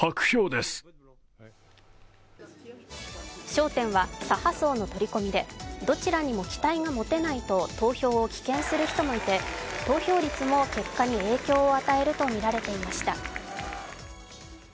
焦点は左派層の取り込みで、どちらにも期待が持てないと投票を棄権する人もいて投票率も結果に影響を与えるとみられていました。